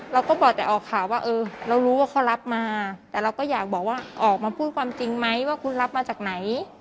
เราก็บอกแต่ออกข่าวว่าเออเรารู้ว่าเขารับมาแต่เราก็อยากบอกว่าออกมาพูดความจริงไหมว่าคุณรับมาจากไหน